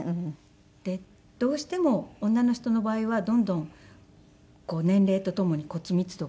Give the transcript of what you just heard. でどうしても女の人の場合はどんどん年齢とともに骨密度が減っていくので。